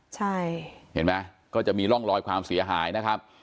ใช่เห็นไหมก็จะมีร่องรอยความเสียหายนะครับ